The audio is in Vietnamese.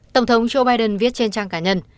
tổng thống joe biden viết trên trang cá nhân